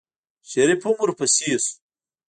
شريف هم ورپسې شو.